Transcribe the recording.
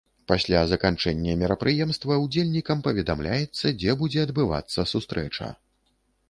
Пасля заканчэння мерапрыемства ўдзельнікам паведамляецца, дзе будзе адбывацца сустрэча.